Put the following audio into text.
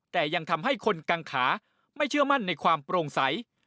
แต่ยังทำให้คนกังขาไม่เชื่อมั่นในความโปร่งใส